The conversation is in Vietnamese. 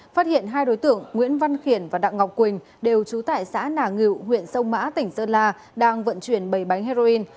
phát hiện hai đối tượng nguyễn văn khiển và đặng ngọc quỳnh đều trú tại xã nà ngự huyện sông mã tỉnh sơn la đang vận chuyển bảy bánh heroin